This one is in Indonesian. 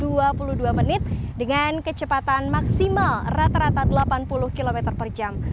dibutuhkan waktu sekitar satu jam dua puluh dua menit dengan kecepatan maksimal rata rata delapan puluh km per jam